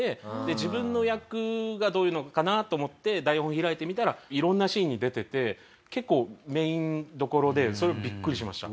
自分の役がどういうのかなと思って台本開いてみたら色んなシーンに出てて結構メインどころでそれビックリしました。